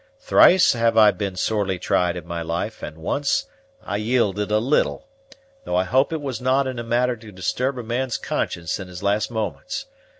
Thrice have I been sorely tried in my life, and once I yielded a little, though I hope it was not in a matter to disturb a man's conscience in his last moments.